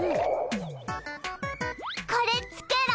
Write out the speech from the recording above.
これつけろ。